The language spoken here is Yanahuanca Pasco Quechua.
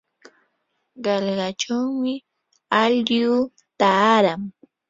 qallqachawmi aylluu taaran.